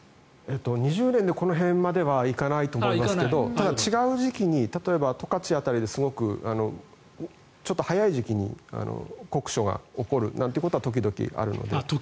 ２０年でこの辺まではいかないと思いますけど違う時期に例えば、十勝辺りで早い時期に酷暑が起こるなんてことは時々あるので。